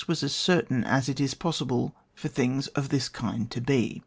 was as certain as it is possible for things of this kind to be.